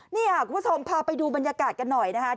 นี่ค่ะคุณผู้ชมพาไปดูบรรยากาศกันหน่อยนะคะ